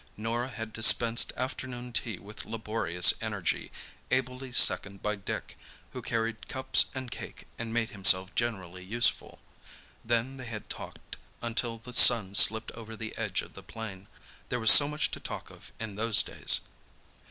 Norah had dispensed afternoon tea with laborious energy, ably seconded by Dick, who carried cups and cake, and made himself generally useful. Then they had talked until the sun slipped over the edge of the plain. There was so much to talk of in those days.